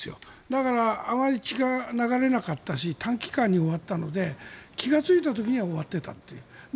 だからあまり血が流れなかったし短期間に終わったので気がついた時には終わっていたという。